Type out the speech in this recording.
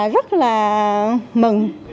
rất là mừng